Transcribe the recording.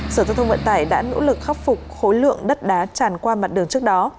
sở giao thông vận tải đã nỗ lực khắc phục khối lượng đất đá tràn qua mặt đường trước đó